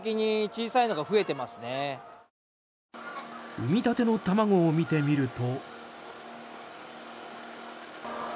産みたての卵を見てみると。